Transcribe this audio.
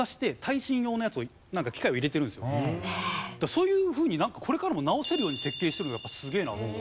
そういうふうにこれからも直せるように設計してるのがやっぱすげえなと思う。